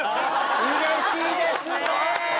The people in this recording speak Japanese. うれしいですね！